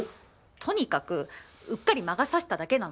とにかくうっかり魔が差しただけなの。